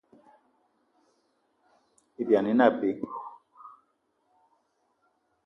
Ibyani ine abe.